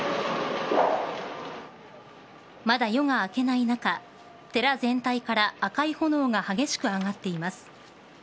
まだ夜が明けない中寺全体から赤い炎が激しく上がっています。